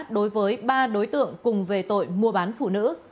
đối với ba đối tượng cùng về tội mua bán phụ nữ